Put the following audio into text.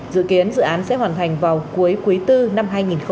dự kiến dự án sẽ hoàn thành vào cuối quý bốn năm hai nghìn hai mươi